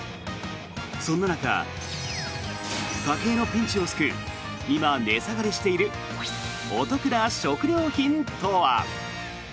そんな中、家計のピンチを救う今、値下がりしているお得な食料品とは。